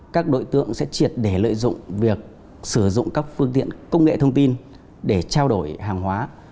các đối tượng sẽ triệt để lợi dụng việc sử dụng các phương tiện công nghệ thông tin để trao đổi hàng hóa